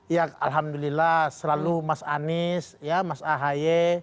ya alhamdulillah selalu mas anies ya mas ahy